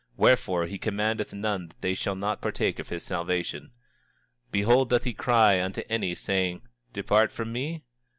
Wherefore, he commandeth none that they shall not partake of his salvation. 26:25 Behold, doth he cry unto any, saying: Depart from me?